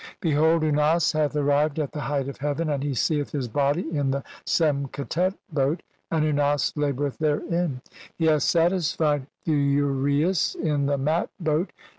Behold, Unas hath "arrived at the height of heaven and he seeth his body "in the Semketet boat, 3 and Unas laboureth therein ; "he hath satisfied the uraeus in the Mat boat 4 and hath 1.